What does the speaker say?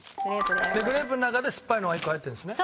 グレープの中ですっぱいのが１個入ってるんですね。